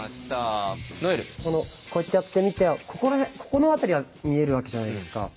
こうやってやってみてここの辺りは見えるわけじゃないですか。